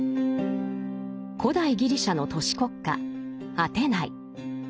古代ギリシャの都市国家アテナイ。